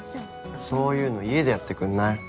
そういうの家でやってくんない？